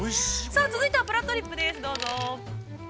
続いては「ぷらっとりっぷ」です、どうぞ。